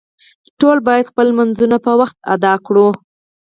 ټول باید خپل لمونځونه په وخت ادا کړو